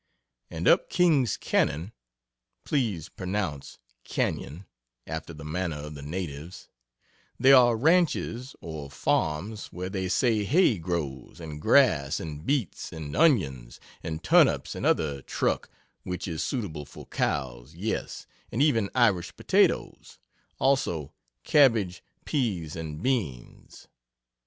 And up "King's Canon," (please pronounce canyon, after the manner of the natives,) there are "ranches," or farms, where they say hay grows, and grass, and beets and onions, and turnips, and other "truck" which is suitable for cows yes, and even Irish potatoes; also, cabbage, peas and beans.